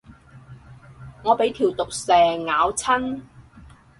我俾條毒蛇咬親